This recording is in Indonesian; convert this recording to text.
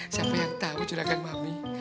siapa yang tau juragan mami